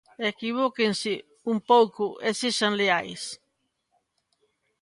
Equivóquense un pouco e sexan leais.